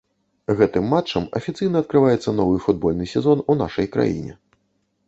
Гэтым матчам афіцыйна адкрываецца новы футбольны сезон у нашай краіне.